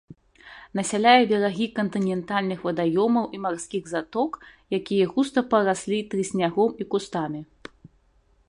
Насяляе берагі кантынентальных вадаёмаў і марскіх заток, якія густа параслі трыснягом і кустамі.